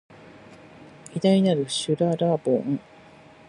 偉大なる、しゅららぼん